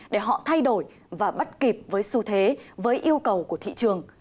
để họ thay đổi và bắt kịp với xu thế với yêu cầu của thị trường